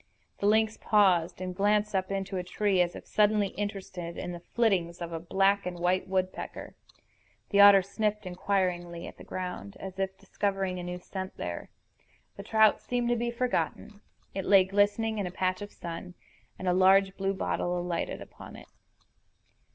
The lynx paused, and glanced up into a tree, as if suddenly interested in the flittings of a black and white woodpecker. The otter sniffed inquiringly at the ground, as if discovering a new scent there. The trout seemed to be forgotten. It lay glistening in a patch of sun; and a large blue bottle alighted upon it.